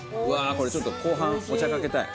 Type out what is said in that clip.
これ、ちょっと後半、お茶かけたい。